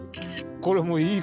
これもういい。